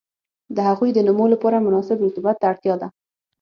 د هغوی د نمو لپاره مناسب رطوبت ته اړتیا ده.